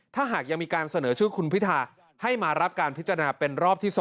ถ้าหากยังมีการเสนอชื่อคุณพิธาให้มารับการพิจารณาเป็นรอบที่๒